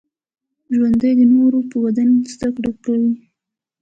ژوندي د نورو بد نه زده کړه کوي